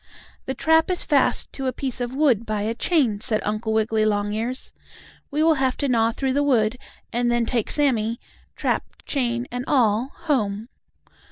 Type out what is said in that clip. "The trap is fast to a piece of wood by a chain," said Uncle Wiggily Longears. "We will have to gnaw through the wood, and then take Sammie, the trap, chain and all, home.